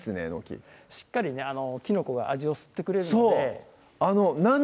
えのきしっかりねきのこが味を吸ってくれるのでそう！